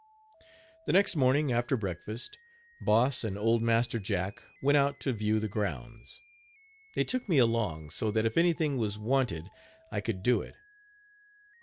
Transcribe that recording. The next morning, after breakfast, Boss and old Master Jack went out to view the grounds. They took me along so that if anything was wanted I could do it.